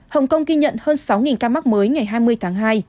hồng kông ghi nhận hơn sáu ca mắc mới ngày hai mươi tháng hai